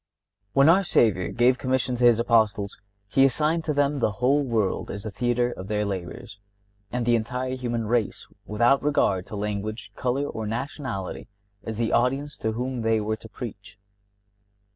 (57) When our Savior gave commission to his Apostles He assigned to them the whole world as the theatre of their labors, and the entire human race, without regard to language, color, or nationality, as the audience to whom they were to preach.